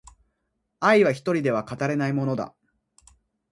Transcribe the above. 愛は一人では語れないものだ